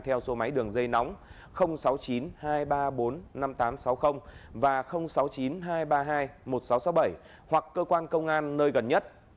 theo số máy đường dây nóng sáu mươi chín hai trăm ba mươi bốn năm nghìn tám trăm sáu mươi và sáu mươi chín hai trăm ba mươi hai một nghìn sáu trăm sáu mươi bảy hoặc cơ quan công an nơi gần nhất